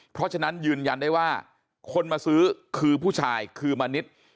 เพราะฉะนั้นยืนยันได้ว่าคนมาซื้อคือผู้ชายคือมณิษฐ์